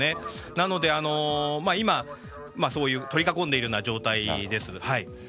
なので今取り囲んでいる状態です。